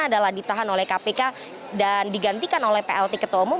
adalah ditahan oleh kpk dan digantikan oleh plt ketua umum